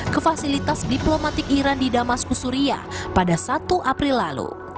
ke fasilitas diplomatik iran di damaskusyria pada satu april lalu